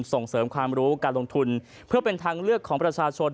ส่งเสริมความรู้การลงทุนเพื่อเป็นทางเลือกของประชาชน